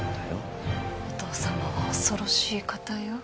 お父さまは恐ろしい方よ。